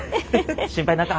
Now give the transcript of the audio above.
心配なか。